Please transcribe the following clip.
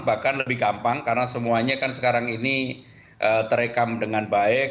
bahkan lebih gampang karena semuanya kan sekarang ini terekam dengan baik